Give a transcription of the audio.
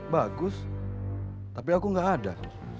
bagus tapi aku nggak ada